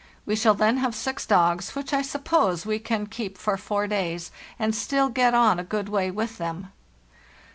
We shall then have six dogs, which, I suppose, we can keep four days, and still get on a good way with them.